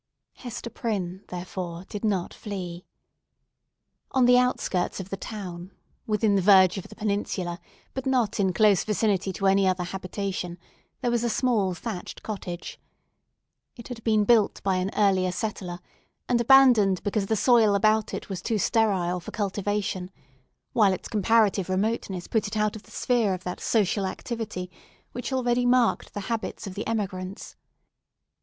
Hester Prynne, therefore, did not flee. On the outskirts of the town, within the verge of the peninsula, but not in close vicinity to any other habitation, there was a small thatched cottage. It had been built by an earlier settler, and abandoned, because the soil about it was too sterile for cultivation, while its comparative remoteness put it out of the sphere of that social activity which already marked the habits of the emigrants.